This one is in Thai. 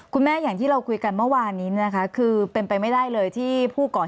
อย่างที่เราคุยกันเมื่อวานนี้นะคะคือเป็นไปไม่ได้เลยที่ผู้ก่อเหตุ